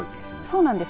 そうねんです。